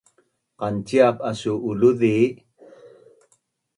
Qanciap asu uluzi?